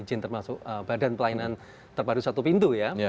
izin termasuk badan pelayanan terbaru satu pintu ya